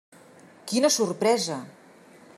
Quina sorpresa!